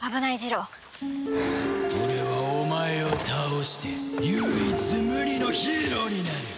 俺はお前を倒して唯一無二のヒーローになる！